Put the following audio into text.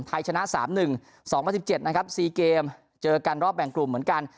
ไทยชนะ๓๑๒๐๑๗นะครับ๔เกมเจอกันรอบแบ่งกลุ่มเหมือนกัน